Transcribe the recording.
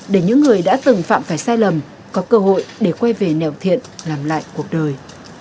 để những người đã từng phạm phải sai lầm có cơ hội để quay về nẻo thiện làm lại cuộc đời